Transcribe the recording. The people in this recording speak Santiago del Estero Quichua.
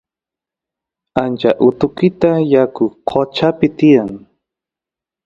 ancha utukita yaku qochapi tiyan